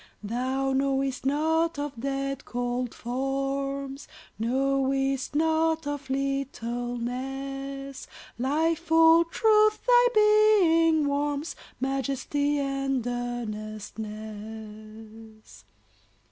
Thou knowest naught of dead cold forms, Knowest naught of littleness, Lifeful Truth thy being warms, Majesty and earnestness.